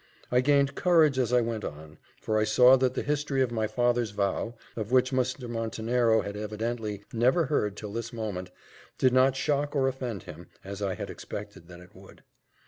I gained courage as I went on, for I saw that the history of my father's vow, of which Mr. Montenero had evidently never heard till this moment, did not shock or offend him, as I had expected that it would.